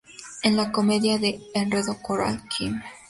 En la comedia de enredo coral "Km.